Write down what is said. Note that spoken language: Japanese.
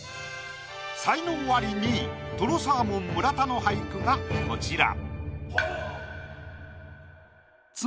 才能アリ２位とろサーモン村田の俳句がこちら。